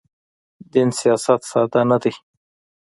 دین سیاست ساده نه دی.